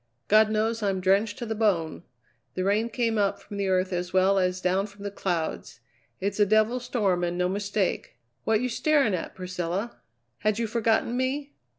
God knows I'm drenched to the bone. The rain came up from the earth as well as down from the clouds. It's a devil's storm and no mistake. What you staring at, Priscilla? Had you forgotten me?